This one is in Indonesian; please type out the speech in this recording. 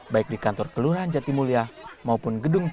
baik di kantor kelurahan jatimulia maupun gedung ppr